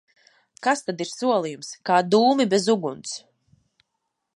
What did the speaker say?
Kas tad ir solījums? Kā dūmi bez uguns!